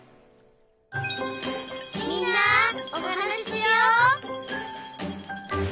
「みんなおはなししよう」